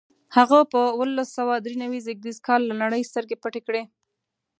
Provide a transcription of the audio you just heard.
هغه په اوولس سوه درې نوي زېږدیز کال له نړۍ سترګې پټې کړې.